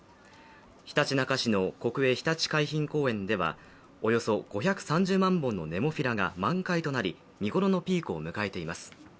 ひたちなか市の国営ひたち海浜公園ではおよそ５３０万本のネモフィラが満開となり見頃のピークを迎えています。